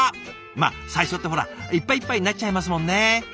まあ最初ってほらいっぱいいっぱいになっちゃいますもんね。